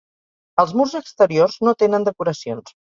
Els murs exteriors no tenen decoracions.